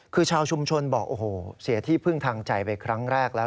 คือชาวชุมชนบอกโอ้โหเสียที่พึ่งทางใจไปครั้งแรกแล้ว